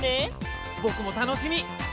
ぼくもたのしみ！